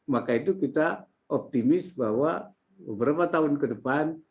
maka itu kita optimis bahwa beberapa tahun ke depan